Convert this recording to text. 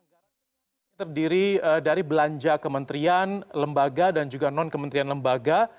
ini memang anggaran yang terdiri dari belanja kementerian lembaga dan juga non kementerian lembaga